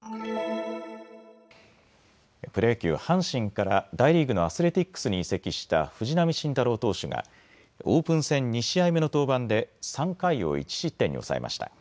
プロ野球、阪神から大リーグのアスレティックスに移籍した藤浪晋太郎投手がオープン戦２試合目の登板で３回を１失点に抑えました。